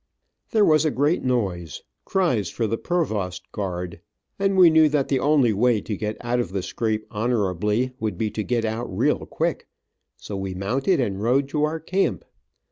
There was a great noise, cries for the provost guard, and we knew that the only way to get out of the scrape honorably, would be to get out real quick, so we mounted and rode to our camp.